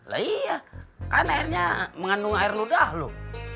lah iya kan airnya mengandung air ludah loh